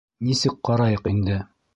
Нисек ҡарайыҡ инде?